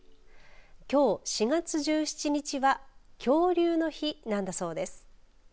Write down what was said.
きょう４月１７日は恐竜の日なんだそうです。